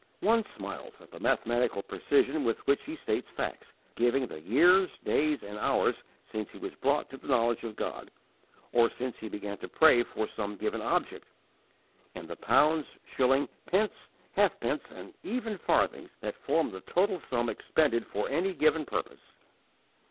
One smiles at the mathematical precision with which he states facts, giving the years, days, and hours since he was brought to the knowledge of God, or since he began to pray for some given object; and the pounds, shillings, pence, halfpence, and even farthings that form the total sum expended for any given purpose.